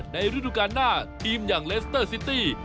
ฤดูการหน้าทีมอย่างเลสเตอร์ซิตี้